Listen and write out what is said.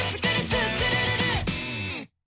スクるるる！」